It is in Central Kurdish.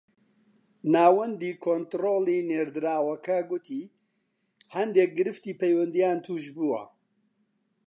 ناوەندی کۆنتڕۆڵی نێردراوەکە گوتی هەندێک گرفتی پەیوەندییان تووش بووە